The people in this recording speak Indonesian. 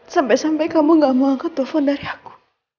sampai sampai kamu gak mau angkat telepon dari aku